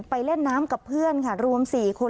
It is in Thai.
เล่นน้ำกับเพื่อนค่ะรวม๔คน